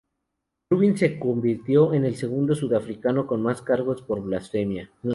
Rubin se convirtió en el segundo sudafricano con más cargos por blasfemia.